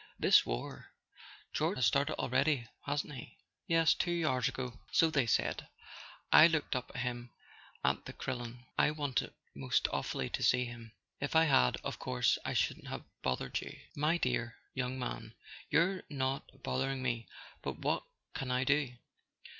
"This war.—George has started already, hasn't he?" "Yes. Two hours ago." "So they said—I looked him up at the Crillon. I w r anted most awfully to see him; if I had, of course I shouldn't have bothered you." "My dear young man, you're not bothering me. But what can I do?"